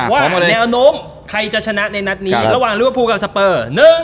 ว่าแนวโน้มใครจะชนะในนัดนี้ระหว่างลิเวอร์พูลกับสเปอร์